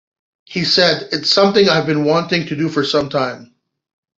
He said, It's something I've been wanting to do for sometime...